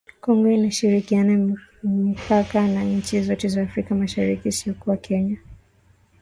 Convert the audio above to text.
Kongo inashirikiana mipaka na nchi zote za Afrika Mashariki isipokuwa Kenya